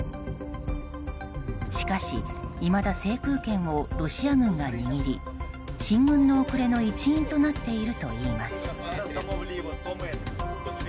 しかし、いまだ制空権をロシア軍が握り進軍の遅れの一因となっているといいます。